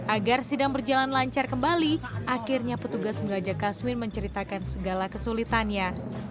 agar sidang berjalan lancar kembali akhirnya petugas mengajak kasmin menceritakan segala kesulitannya